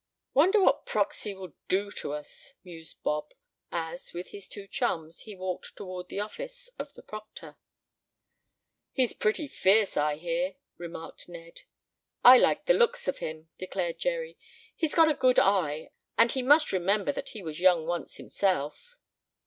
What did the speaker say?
"Wonder what proxy will do to us," mused Bob, as, with his two chums, he walked toward the office of the proctor. "He's pretty fierce, I hear," remarked Ned. "I like the looks of him," declared Jerry. "He's got a good eye, and he must remember that he was young once himself."